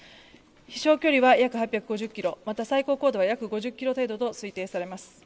飛しょう距離は約８５０キロ、また最高高度は約５０キロ程度と推定されます。